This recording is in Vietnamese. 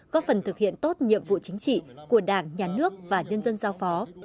chính trị của đảng nhà nước và nhân dân giao phó